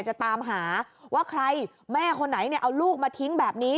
จะตามหาว่าใครแม่คนไหนเอาลูกมาทิ้งแบบนี้